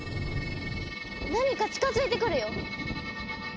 何か近づいてくるよ。